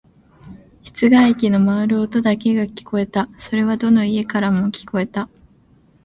室外機の回る音だけが聞こえた。それはどの家からも聞こえた。